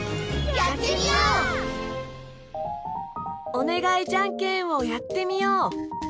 「おねがいじゃんけん」をやってみよう！